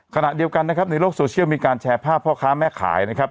ขณะเดียวกันนะครับในโลกโซเชียลมีการแชร์ภาพพ่อค้าแม่ขายนะครับ